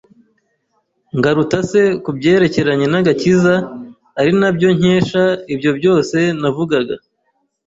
Ngarutase ku byerekeranye n’agakiza ari nabyo nkesha ibyo byose navugaga,